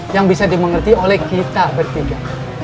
yang bisa dimengerti oleh kita bertiga